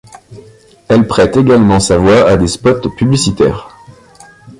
Elle prête également sa voix à des spots publicitaires.